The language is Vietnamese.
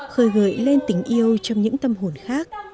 khơi gợi lên tình yêu trong những tâm hồn khác